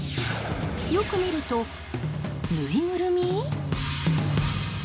よく見ると、ぬいぐるみ？